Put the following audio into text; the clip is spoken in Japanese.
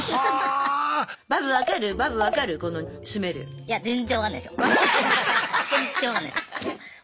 いや全然わかんないっすよ。